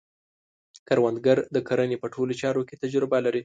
کروندګر د کرنې په ټولو چارو کې تجربه لري